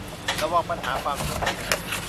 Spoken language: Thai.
ระวังปัญหาความสูญเสีย